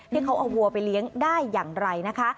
ที่เขาเอาวัวไปเลี้ยงได้อย่างไรนะคะ